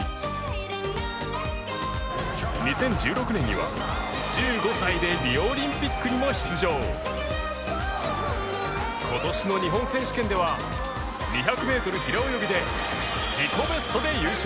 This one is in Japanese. ２０１６年には１５歳でリオオリンピックにも出場今年の日本選権手では２００メートル平泳ぎで